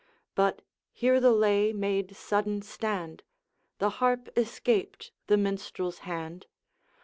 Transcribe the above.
But here the lay made sudden stand, The harp escaped the Minstrel's hand!